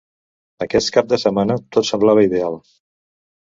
Aquest cap de setmana, tot semblava ideal.